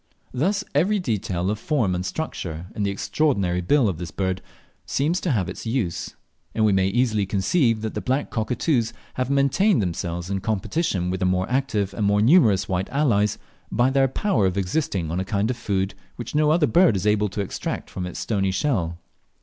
Thus every detail of form and structure in the extraordinary bill of this bird seems to have its use, and we may easily conceive that the black cockatoos have maintained themselves in competition with their more active and more numerous white allies, by their power of existing on a kind of food which no other bird is able to extract from its stony shell.